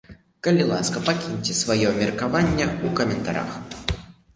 Калі ласка, пакіньце сваё меркаванне ў каментарах.